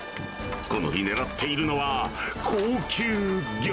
この日、狙っているのは高級魚。